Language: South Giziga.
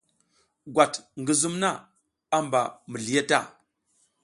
Gwat ngi zum na, a mba mizliye ta.